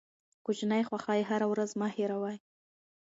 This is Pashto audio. کوچني خوښۍ هره ورځ مه هېروئ.